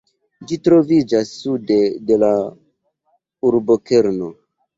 Ĝi troviĝas sude de la urbokerno.